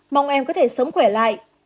mong em có thể sống khỏe lại